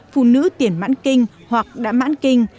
phụ nữ tiền mãn kinh hoặc đã mãn kinh